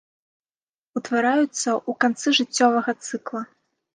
Утвараюцца ў канцы жыццёвага цыкла.